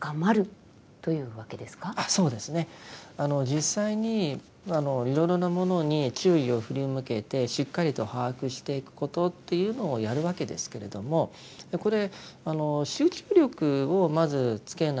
実際にいろいろなものに注意を振り向けてしっかりと把握していくことというのをやるわけですけれどもこれ集中力をまずつけないとなかなかそれ難しいところがあります。